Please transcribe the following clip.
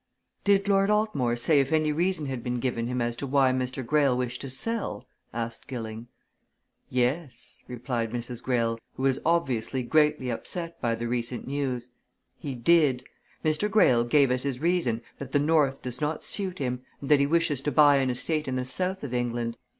"Did Lord Altmore say if any reason had been given him as to why Mr. Greyle wished to sell?" asked Gilling. "Yes," replied Mrs. Greyle, who was obviously greatly upset by the recent news. "He did. Mr. Greyle gave as his reason that the north does not suit him, and that he wishes to buy an estate in the south of England.